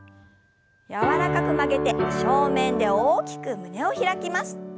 柔らかく曲げて正面で大きく胸を開きます。